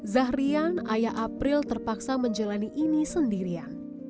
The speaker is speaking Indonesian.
zahrian ayah april terpaksa menjalani ini sendirian